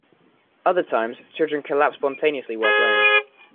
Other times, children collapse spontaneously while playing.